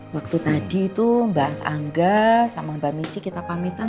waktu tadi tuh mbak asanga sama mbak michi kita pamitan